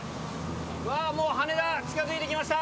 うわー、もう、羽田、近づいてきました。